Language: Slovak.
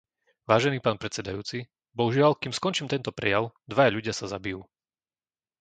Vážený pán predsedajúci, bohužiaľ, kým skončím tento prejav, dvaja ľudia sa zabijú.